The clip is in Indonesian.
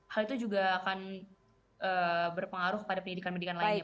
hal itu juga akan berpengaruh kepada pendidikan pendidikan lainnya